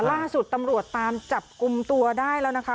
ล่าสุดตำรวจตามจับกลุ่มตัวได้แล้วนะคะ